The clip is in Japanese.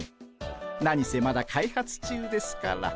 何せまだ開発中ですから。